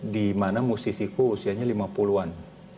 di mana musisiku usianya lima puluh an